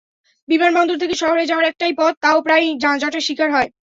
বিমানবন্দর থেকে শহরে যাওয়ার একটাই পথ, তাও প্রায়ই যানজটের শিকার হয়।